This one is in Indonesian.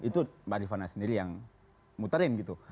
itu mbak rifana sendiri yang muterin gitu